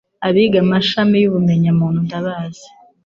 abiga amashami y'ubumenyamuntu ndabazi